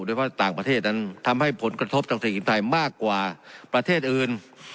โดยว่าต่างประเทศนั้นทำให้ผลกระทบทางเศรษฐกิจไทยมากกว่าประเทศอื่น